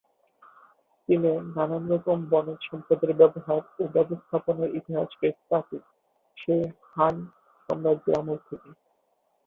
চীনে নানান রকম বনজ সম্পদের ব্যবহার ও ব্যবস্থাপনার ইতিহাস বেশ প্রাচীন- সেই হান সাম্রাজ্যের আমল থেকে।